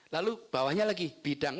lalu bawahnya lagi bidang